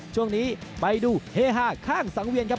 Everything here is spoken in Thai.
ช่วงนี้ไปดูเฮฮาข้างสังเวียนครับ